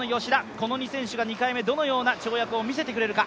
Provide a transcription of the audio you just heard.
この２選手が２回目どのような跳躍をみせてくれるか。